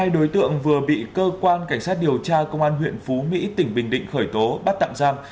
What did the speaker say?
hai đối tượng vừa bị cơ quan cảnh sát điều tra công an huyện phú mỹ tỉnh bình định khởi tố bắt tạm giam